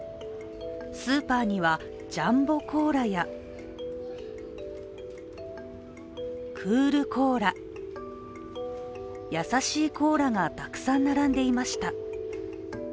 スーパーには、ジャンボコーラやクールコーラ、優しいコーラがたくさん並んでいました。